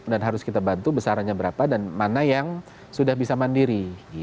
dan harus kita bantu besarannya berapa dan mana yang sudah bisa mandiri